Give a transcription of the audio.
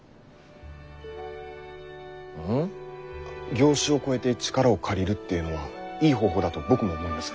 業種を超えて力を借りるっていうのはいい方法だと僕も思います。